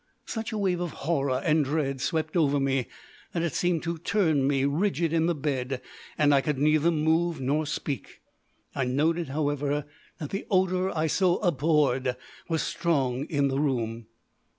Such a wave of horror and dread swept over me that it seemed to turn me rigid in the bed, and I could neither move nor speak. I noted, however, that the odour I so abhorred was strong in the room.